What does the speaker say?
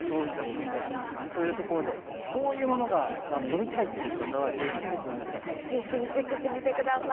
というところでそういうものが読みたいという方はぜひお読みください。